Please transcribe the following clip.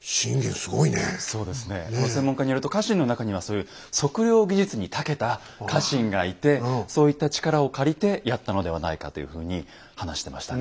専門家によると家臣の中にはそういう測量技術にたけた家臣がいてそういった力を借りてやったのではないかというふうに話してましたね。